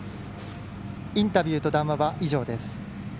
インタビューと談話は以上です。